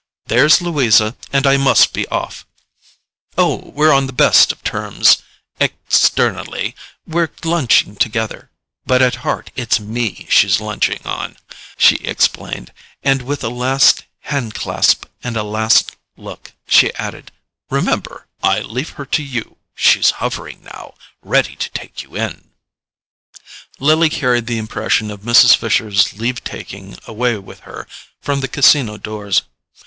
"There's Louisa, and I must be off—oh, we're on the best of terms externally; we're lunching together; but at heart it's ME she's lunching on," she explained; and with a last hand clasp and a last look, she added: "Remember, I leave her to you; she's hovering now, ready to take you in." Lily carried the impression of Mrs. Fisher's leave taking away with her from the Casino doors.